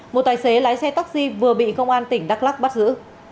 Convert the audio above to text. một tài xế lái xe taxi vừa bị công an tỉnh đắk lắc bắt giữ